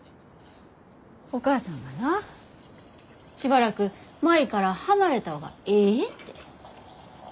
お母さんがなしばらく舞から離れた方がええて。